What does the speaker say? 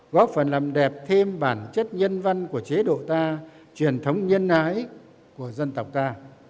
góp phần làm đẹp thêm bản chất nhân văn của chế độ ta truyền thống nhân ái của dân tộc ta